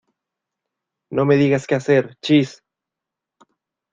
No me digas qué hacer. ¡ chis!